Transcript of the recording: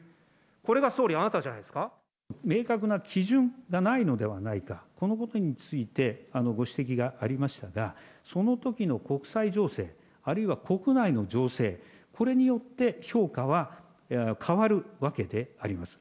これが総理、明確な基準がないのではないか、このことについて、ご指摘がありましたが、そのときの国際情勢、あるいは国内の情勢、これによって、評価は変わるわけであります。